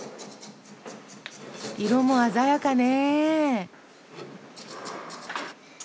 色も鮮やかね。